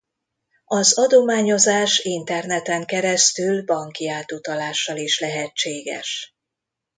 Az adományozás interneten keresztül banki átutalással is lehetséges.